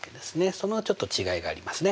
そのちょっと違いがありますね。